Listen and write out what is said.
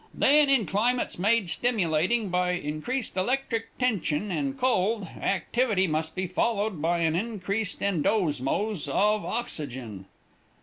'Then in climates made stimulating by increased electric tension and cold, activity must be followed by an increased endosmose of oxygen."